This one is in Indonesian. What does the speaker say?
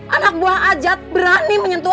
anak buah ajat berani menyentuh